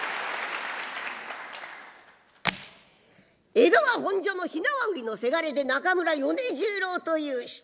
江戸は本所の火縄売りのせがれで中村米十郎という人。